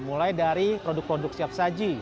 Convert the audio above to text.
mulai dari produk produk siap saji